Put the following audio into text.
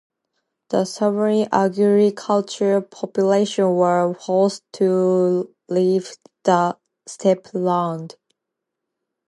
The surviving agricultural population was forced to leave the steppe lands.